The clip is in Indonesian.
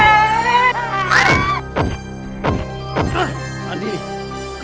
jangan lupa untuk menghampiri asyik